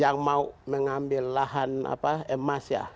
yang mau mengambil lahan emas ya